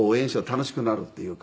楽しくなるっていうか。